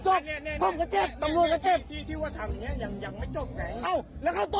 เออผมไม่ได้ว่าอะไรพี่เลยนะครับ